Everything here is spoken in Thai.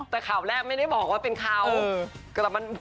แต่ข่าวแรกไม่ได้บอกว่าเป็นข่าว